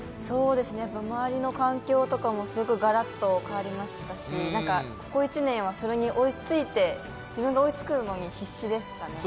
周りの環境とかもすごいがらっと変わりましたし、ここ１年はそれに追いついて、自分が追いつくのに必死でしたね。